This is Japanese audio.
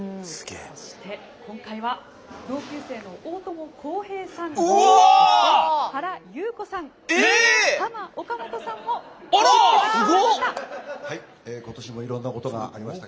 そして今回は同級生の大友康平さん、原由子さんハマ・オカモトさんも駆けつけてくださいました。